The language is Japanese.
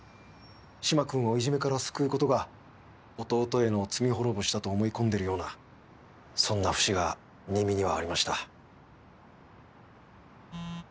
嶋君をいじめから救うことが弟への罪滅ぼしだと思い込んでるようなそんな節が新見にはありました。